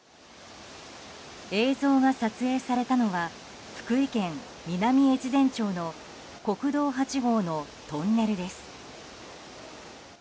映像が撮影されたのは福井県南越前町の国道８号のトンネルです。